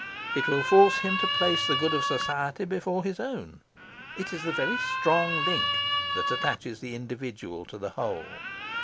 It will force him to place the good of society before his own. It is the very strong link that attaches the individual to the whole.